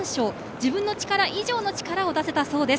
自分の力以上の力を出せたそうです。